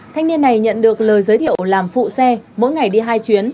thanh niên này nhận được lời giới thiệu làm phụ xe mỗi ngày đi hai chuyến